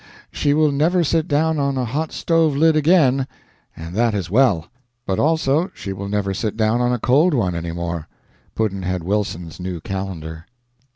She will never sit down on a hot stove lid again and that is well; but also she will never sit down on a cold one any more. Pudd'nhead Wilson's New Calendar.